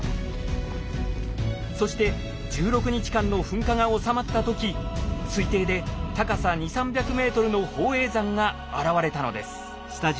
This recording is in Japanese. そして１６日間の噴火がおさまった時推定で高さ２００３００ｍの宝永山が現れたのです。